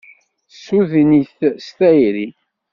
Tessuden-it s tayri